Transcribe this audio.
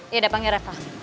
ya udah panggil reva